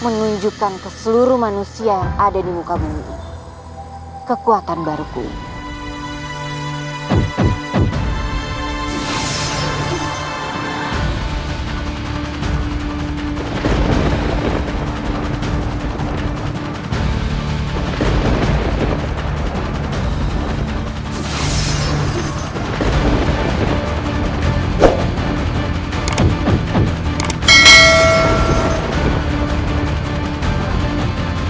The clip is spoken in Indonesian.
menunjukkan ke seluruh manusia yang ada di muka bumi kekuatan baru ku ini